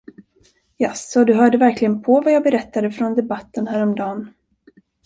Jaså, du hörde verkligen på vad jag berättade från debatten härom dan!